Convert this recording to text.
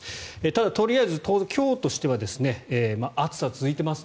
ただ、とりあえず今日としては暑さが続いています。